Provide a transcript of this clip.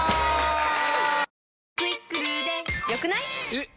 えっ！